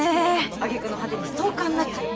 あげくの果てにストーカーになっちゃって。